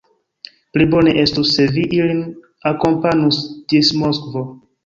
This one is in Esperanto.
Pli bone estus, se vi ilin akompanus ĝis Moskvo.